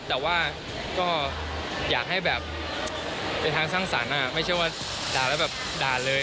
แต่ว่าก็อยากให้แบบเป็นทางสร้างสรรค์ไม่ใช่ว่าด่าแล้วแบบด่าเลย